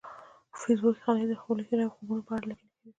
په فېسبوک کې خلک د خپلو هیلو او خوبونو په اړه لیکنې کوي